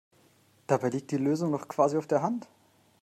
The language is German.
Dabei liegt die Lösung doch quasi auf der Hand!